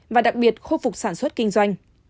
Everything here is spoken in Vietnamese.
và đặc biệt khu vục sản xuất kinh doanh